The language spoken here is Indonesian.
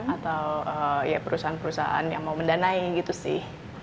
atau ya perusahaan perusahaan yang mau mendanai gitu sih